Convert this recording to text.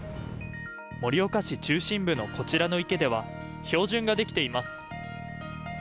盛岡市中心部のこちらの池では、氷筍が出来ています。